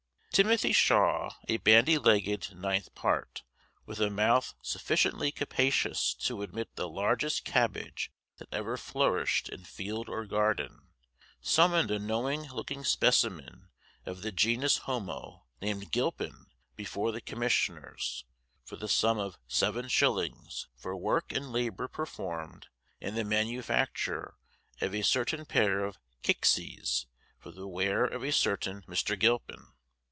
Timothy Shaw, a bandy legged "ninth part," with a mouth sufficiently capacious to admit the largest cabbage that ever flourished in field or garden, summoned a knowing looking specimen of the genus homo, named Gilpin, before the commissioners, for the sum of 7s, for work and labour performed in the manufacture of a certain pair of "kicksies," for the wear of a certain Mr Gilpin.